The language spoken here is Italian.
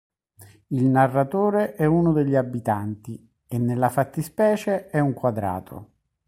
Il narratore è uno degli abitanti, e nella fattispecie è un quadrato.